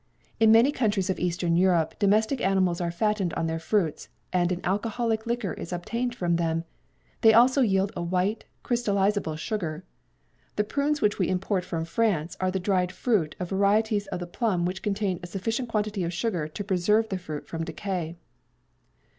In many countries of Eastern Europe domestic animals are fattened on their fruits, and an alcoholic liquor is obtained from them; they also yield a white, crystallizable sugar. The prunes which we import from France are the dried fruit of varieties of the plum which contain a sufficient quantity of sugar to preserve the fruit from decay."